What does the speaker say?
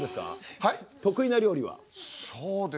得意な料理は？